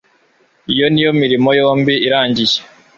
Iyo iyo mirimo yombi irangiye